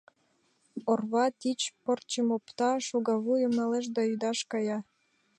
Орва тич пырчым опта, шогавуйым налеш да ӱдаш кая.